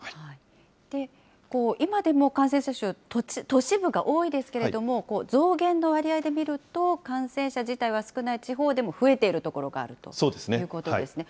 今でも感染者数、都市部が多いですけれども、増減の割合で見ると、感染者自体が少ない地方でも増えている所があるということそうですね。